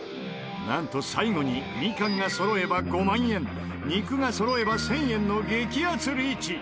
なんと最後にみかんがそろえば５万円肉がそろえば１０００円の激アツリーチ！